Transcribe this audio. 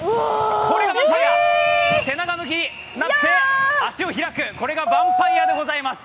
これがヴァンパイア、背中向きになって、足を開く、これがヴァンパイアでございます。